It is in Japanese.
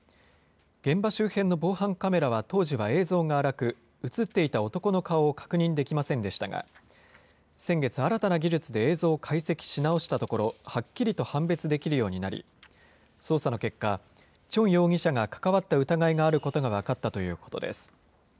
現場周辺の防犯カメラは、当時は映像が粗く、写っていた男の顔を確認できませんでしたが、先月、新たな技術で映像を解析し直したところ、はっきりと判別できるようになり、捜査の結果、全容疑者が関わった疑いがあることが分かったということです。